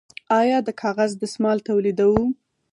آیا د کاغذ دستمال تولیدوو؟